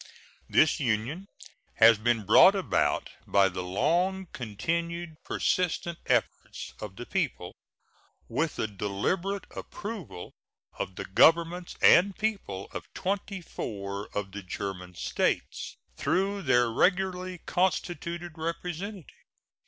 This union has been brought about by the long continued, persistent efforts of the people, with the deliberate approval of the governments and people of twenty four of the German States, through their regularly constituted representatives.